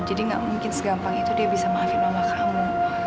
jadi nggak mungkin segampang itu dia bisa maafin mama kamu